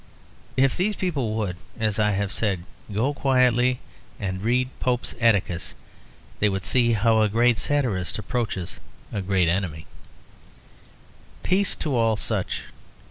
If these people would, as I have said, go quietly and read Pope's "Atticus," they would see how a great satirist approaches a great enemy: "Peace to all such!